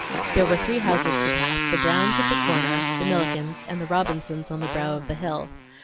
There were three houses to pass; the Browns' at the corner, the Millikens', and the Robinsons' on the brow of the hill.